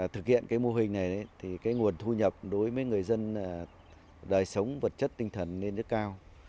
thực hiện mô hình này nguồn thu nhập đối với người dân đời sống vật chất tinh thần lên rất cao